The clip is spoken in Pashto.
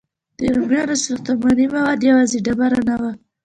د رومیانو ساختماني مواد یوازې ډبره نه وه.